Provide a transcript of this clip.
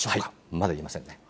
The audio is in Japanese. まだ言えませんね。